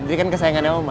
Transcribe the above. indri kan kesayangannya oma